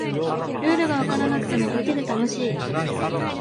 ルールがわからなくても見てて楽しい